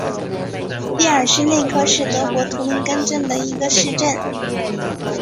蒂尔施内克是德国图林根州的一个市镇。